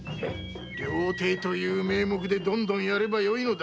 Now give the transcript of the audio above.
料亭という名目でやればよいのだ。